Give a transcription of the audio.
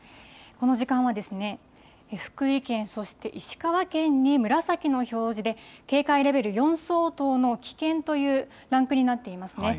この時間はですね、福井県、そして石川県に紫の表示で警戒レベル４相当の危険というランクになっていますね。